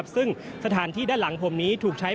ซึ่งสถานที่ด้านหลังผมนี้ถูกใช้